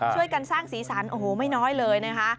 ช่วยกันสร้างสีสันโอ้โหไม่น้อยเลยนะคะ